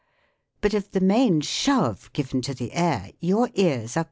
But of the main shove given to the air your ears are FIG.